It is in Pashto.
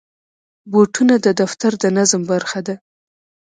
بوټونه د دفتر د نظم برخه ده.